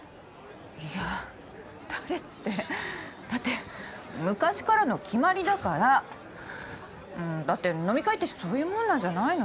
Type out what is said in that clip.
いや誰ってだって昔からの決まりだから。だって飲み会ってそういうもんなんじゃないの？